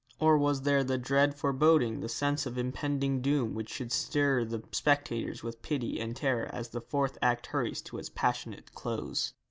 or was there the dread foreboding, the sense of impending doom which should stir the spectators with pity and terror as the fourth act hurries to its passionate close?